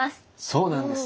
そうなんです！